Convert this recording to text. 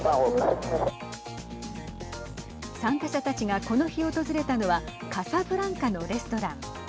参加者たちが、この日訪れたのはカサブランカのレストラン。